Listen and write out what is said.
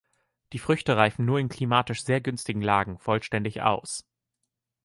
Die Früchte reifen nur in klimatisch sehr günstigen Lagen vollständig aus.